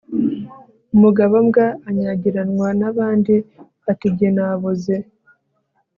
umugabo mbwa anyagiranwa n'abandi ati jye naboze